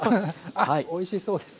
あっおいしそうです！